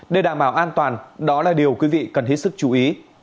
để đảm bảo an toàn đó là điều quý vị cần hết sức chú ý